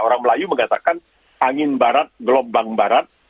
orang melayu mengatakan angin barat gelombang barat